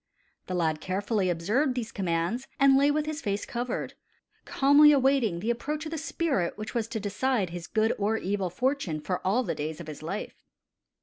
The lad carefully observed these commands, and lay with his face covered, calmly awaiting the approach of the spirit which was to decide his good or evil fortune for all the days of his life.